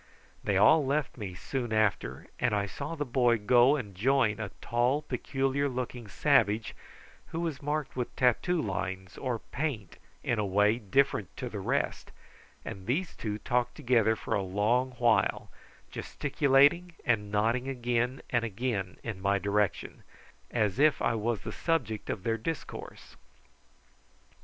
They all left me soon after, and I saw the boy go and join a tall, peculiar looking savage, who was marked with tattoo lines or paint in a way different to the rest, and these two talked together for a long while, gesticulating and nodding again and again in my direction, as if I was the subject of their discourse.